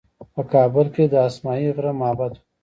په کابل کې د اسمايي غره معبد و